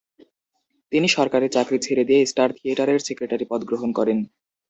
তিনি সরকারি চাকরি ছেড়ে দিয়ে স্টার থিয়েটারের সেক্রেটারির পদ গ্রহণ করেন।